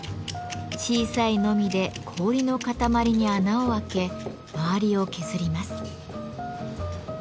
小さいノミで氷の塊に穴を開け周りを削ります。